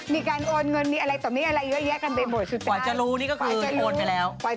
มีการโอนเงินมีอะไรต่อมีอะไรเยอะกันเป็นโบสถ์สุดท้าย